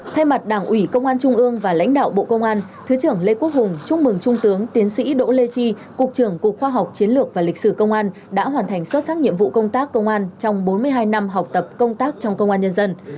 thay mặt đảng ủy công an trung ương và lãnh đạo bộ công an thứ trưởng lê quốc hùng chúc mừng trung tướng tiến sĩ đỗ lê chi cục trưởng cục khoa học chiến lược và lịch sử công an đã hoàn thành xuất sắc nhiệm vụ công tác công an trong bốn mươi hai năm học tập công tác trong công an nhân dân